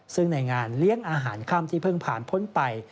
ซึ่งในงานเลี้ยงอาหารค่ำที่เพิ่งผ่านพ้นไป